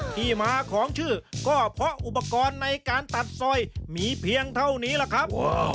ที่มาของชื่อก็เพราะอุปกรณ์ในการตัดซอยมีเพียงเท่านี้ล่ะครับ